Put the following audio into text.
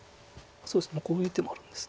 こういう手もあるんです。